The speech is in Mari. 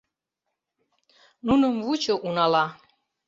Нуным вучо унала».